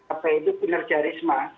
apa itu penerja risma